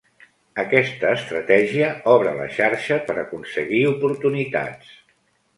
Aquesta estratègia obre la xarxa per aconseguir oportunitats.